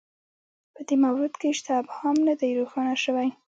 په دې مورد کې شته ابهام نه دی روښانه شوی